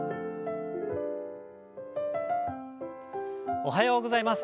おはようございます。